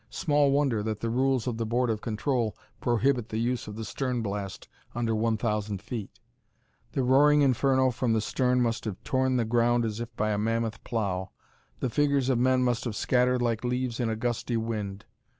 Small wonder that the rules of the Board of Control prohibit the use of the stern blast under one thousand feet. The roaring inferno from the stern must have torn the ground as if by a mammoth plow; the figures of men must have scattered like leaves in a gusty wind.